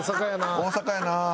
大阪やなあ。